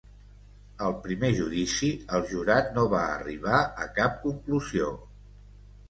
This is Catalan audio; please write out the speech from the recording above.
Al primer judici, el jurat no va arribar a cap conclusió.